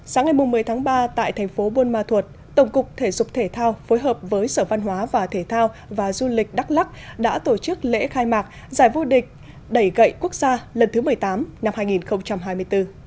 sáng ngày một mươi tháng ba tại thành phố buôn ma thuột tổng cục thể dục thể thao phối hợp với sở văn hóa và thể thao và du lịch đắk lắc đã tổ chức lễ khai mạc giải vô địch đẩy gậy quốc gia lần thứ một mươi tám năm hai nghìn hai mươi bốn